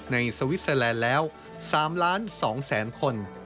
สวิสเตอร์แลนด์แล้ว๓ล้าน๒แสนคน